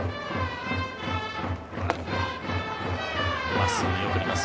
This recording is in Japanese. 真っすぐ、見送ります